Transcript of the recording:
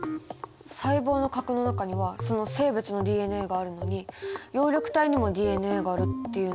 細胞の核の中にはその生物のＤＮＡがあるのに葉緑体にもＤＮＡがあるっていうのは。